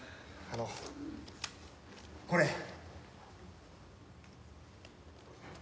あのこれ。